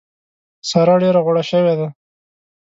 سارا ډېره غوړه شوې ده.